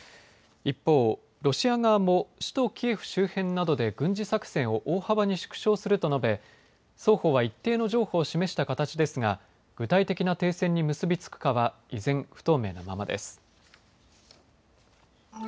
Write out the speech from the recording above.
一方、ロシア側も首都キエフ周辺などで軍事作戦を大幅に縮小すると述べ双方は一定の譲歩を示した形ですが具体的な停戦に結び付くかは依然不透明なままです。